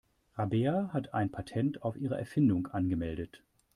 Rabea hat ein Patent auf ihre Erfindung angemeldet.